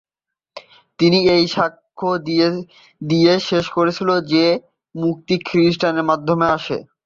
তিনি এই সাক্ষ্য দিয়ে শেষ করেছিলেন যে, মুক্তি খ্রিস্টের মাধ্যমে আসে।